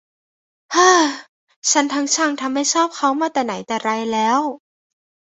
เฮ่อ ฉันทั้งชังทั้งไม่ชอบเขามาแต่ไหนแต่ไรแล้ว